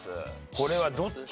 これはどっち？